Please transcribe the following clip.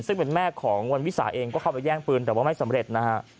ซึ่งเป็นแม่ของวันวิสาเองก็เข้าไปแย่งปืนแต่ว่าไม่สำเร็จนะฮะ